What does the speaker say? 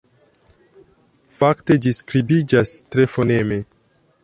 Fakte ĝi skribiĝas tre foneme.